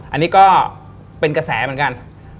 อันนี้ก็เป็นกระแสเหมือนกัน